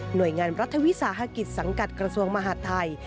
โดยงานรัฐวิสาหกิจสังกัดกระทรวงมหาดไทย